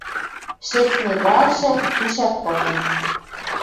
Шӹцмӹ вӓржӹ — тӱшӓк пынын.